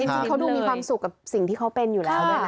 เพราะดูมีความสุขกับสิ่งที่เขาเป็นอยู่แล้ว